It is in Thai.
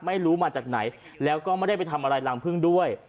ไม่รู้มาจากไหนแล้วก็ไม่ได้ไปทำอะไรรังพึ่งด้วย